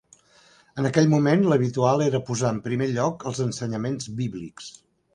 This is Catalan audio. En aquell moment l'habitual era posar en primer lloc els ensenyaments bíblics.